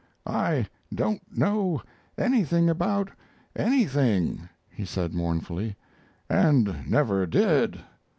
"I don't know anything about anything," he said, mournfully, "and never did.